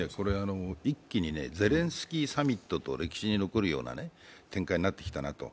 一気にゼレンスキーサミットと歴史に残るような展開になってきたなと。